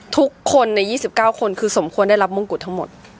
ทุกคนใน๒๙คนคือสมควรได้รับมงกุฎทั้งหมด